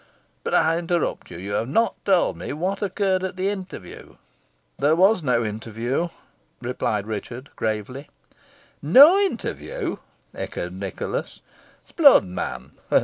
But I interrupt you. You have not told me what occurred at the interview?" "There was no interview," replied Richard, gravely. "No interview!" echoed Nicholas. "S'blood, man!